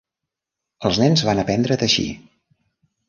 Els nens van aprendre a teixir.